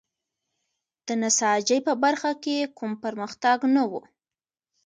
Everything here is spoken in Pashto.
د نساجۍ په برخه کې کوم پرمختګ نه و.